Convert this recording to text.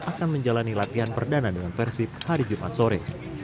akan menjalani latihan perdana dengan persib hari jumat sore